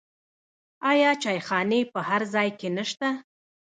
آیا چایخانې په هر ځای کې نشته؟